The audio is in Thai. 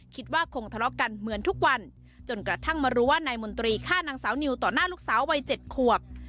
คิดว่าคงทะเลาะกันเหมือนทุกวันจนกระทั่งมารู้ว่านายมนตรีฆ่านางสาวนิวต่อหน้าลูกสาววัย๗ขวบ